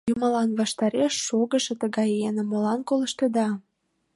Юмылан ваштареш шогышо тыгай еҥым молан колыштыда?